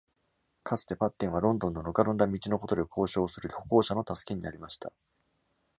かつて、パッテンは、ロンドンのぬかるんだ道のことで交渉をする歩行者の助けになりました。